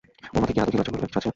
ওর মাথায় কি আদৌ ঘিলু বলে কিছু আছে?